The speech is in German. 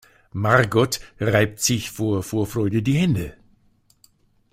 Margot reibt sich vor Vorfreude die Hände.